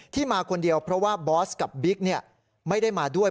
มาคนเดียวเพราะว่าบอสกับบิ๊กไม่ได้มาด้วย